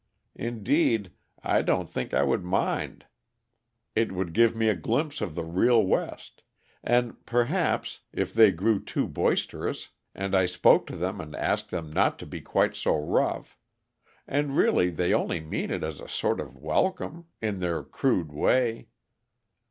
Indeed, I don't think I would mind it would give me a glimpse of the real West; and, perhaps, if they grew too boisterous, and I spoke to them and asked them not to be quite so rough and, really, they only mean it as a sort of welcome, in their crude way.